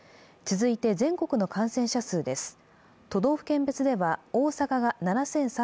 続いて、全国の感染者数です。